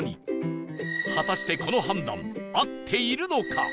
果たしてこの判断合っているのか？